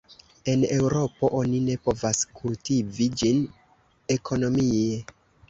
En Eŭropo oni ne povas kultivi ĝin ekonomie.